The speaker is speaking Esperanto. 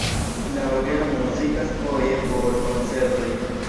La orgeno muzikas foje por koncertoj.